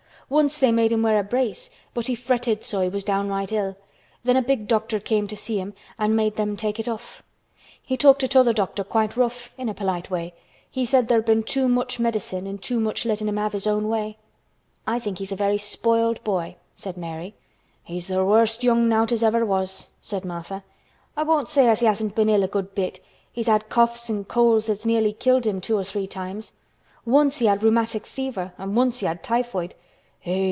Once they made him wear a brace but he fretted so he was downright ill. Then a big doctor came to see him an' made them take it off. He talked to th' other doctor quite rough—in a polite way. He said there'd been too much medicine and too much lettin' him have his own way." "I think he's a very spoiled boy," said Mary. "He's th' worst young nowt as ever was!" said Martha. "I won't say as he hasn't been ill a good bit. He's had coughs an' colds that's nearly killed him two or three times. Once he had rheumatic fever an' once he had typhoid.